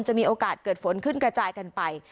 จะมีโอกาสเกิดฝนขึ้นกระจายกันไป